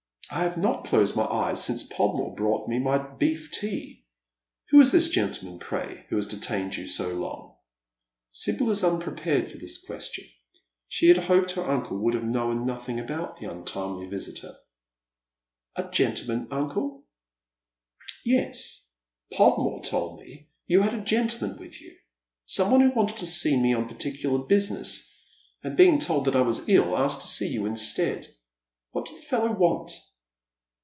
I have not closed my eyes since Podmore brought me my ceef tea. Who is this gentleman, pray, who has detained you •0 long ?" 180 Dead Men's Shoe*. Sibyl ia unprepared for this question. She had h.iped he! uncle would have known nothing about" that untimely visitor. " A gentleman, uncle ?"" Yes. Podmore told me you had a gentleman with you. Some one who wanted to see me on particular business, and, being told that I was ill, asked to see you instead. What did the fellow want